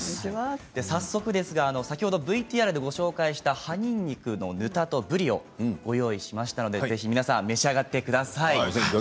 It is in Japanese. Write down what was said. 早速ですが先ほどＶＴＲでご紹介した葉にんにくのぬたとぶりをご用意しましたのでぜひ皆さん召し上がってください。